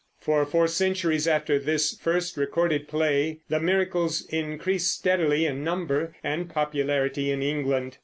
For four centuries after this first recorded play the Miracles increased steadily in number and popularity in England.